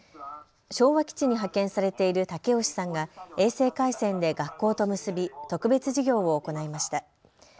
昭和基地に派遣されている武善さんが衛星回線で学校と結び特別授業を行いました。